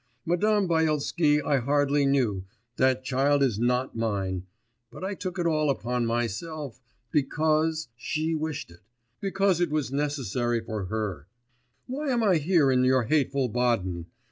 Madame Byelsky I hardly knew, that child is not mine, but I took it all upon myself ... because ... she wished it, because it was necessary for her. Why am I here in your hateful Baden?